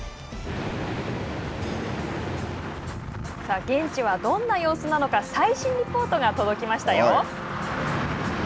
さあ、現地はどんな様子なのか、最新リポートが届きましたよ。